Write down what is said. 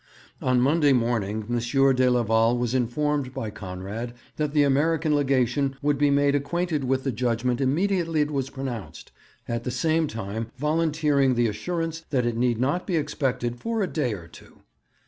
On Monday morning M. de Leval was informed by Conrad that the American Legation would be made acquainted with the judgement immediately it was pronounced, at the same time volunteering the assurance that it need not be expected for 'a day or two.'